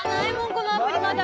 このアプリまだ。